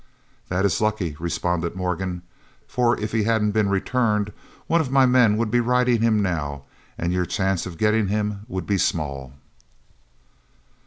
"That is lucky," responded Morgan, "for if he hadn't been returned, one of my men would be riding him now, and your chance of getting him would be small."